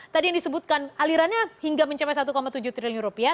tadi yang disebutkan alirannya hingga mencapai satu tujuh triliun rupiah